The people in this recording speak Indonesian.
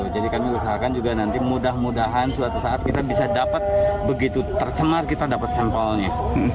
jadi kami usahakan juga nanti mudah mudahan suatu saat kita bisa dapat begitu tercemar kita dapat sampelnya